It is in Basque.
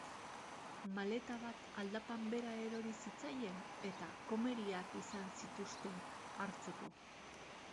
Maleta bat aldapan behera erori zitzaien, eta komeriak izan zituzten hartzeko.